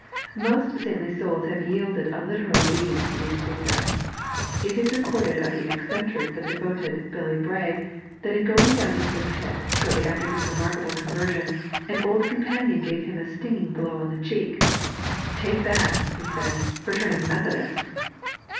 Many saintly souls have yielded a liberal obedience to these precepts. It is recorded of the eccentric but devoted Billy Bray that in going down into the pit, shortiy after his remarkable conversion, an old companion gave him a stinging blow on the cheek. " Take that," be said, " for turning Methodist."